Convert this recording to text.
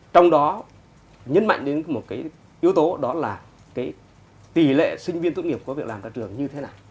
trong đó nhấn mạnh đến một cái yếu tố đó là tỷ lệ sinh viên tốt nghiệp có việc làm ra trường như thế nào